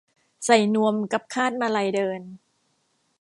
ใส่นวมกับคาดมาลัยเดิน